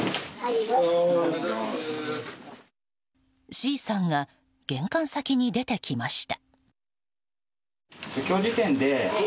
Ｃさんが玄関先に出てきました。